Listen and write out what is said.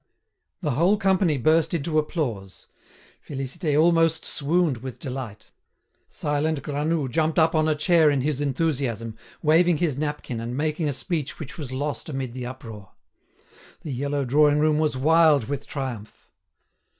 The whole company burst into applause. Félicité almost swooned with delight. Silent Granoux jumped up on a chair in his enthusiasm, waving his napkin and making a speech which was lost amid the uproar. The yellow drawing room was wild with triumph.